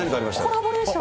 コラボレーション。